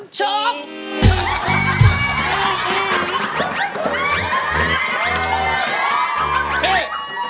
ช้อง